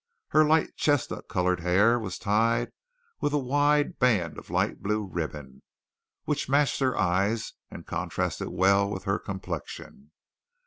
Her light chestnut colored hair was tied with a wide band of light blue ribbon which matched her eyes and contrasted well with her complexion.